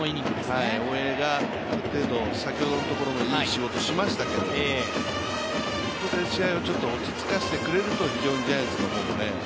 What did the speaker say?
大江が先ほどのところでもいい試合をしましたけど、ここで試合をちょっと落ち着かせてくれると、ジャイアンツの方もね。